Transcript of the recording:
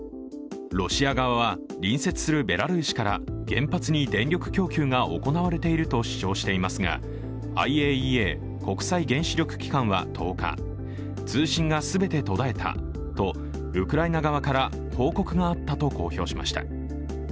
ロシア側は、隣接するベラルーシから原発に電力供給が行われていると主張していますがＩＡＥＡ＝国際原子力機関は１０日、通信が全て途絶えたとウクライナ側から報告があったと公表しました。